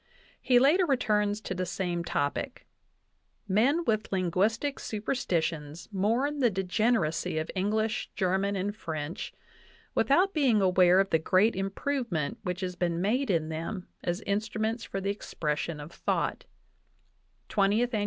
He later returns to the same topic : "Men with linguistic super stitions mourn the degeneracy of English, German, and French without being aware of the great improvement which has been made in them as instruments for the expression of thought" (20th Ann.